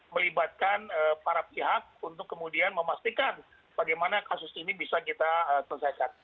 melibatkan para pihak untuk kemudian memastikan bagaimana kasus ini bisa kita selesaikan